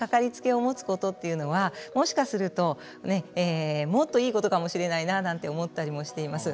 医を持つことというのはもしかするともっといいことかもしれないななんて思ったりもしています。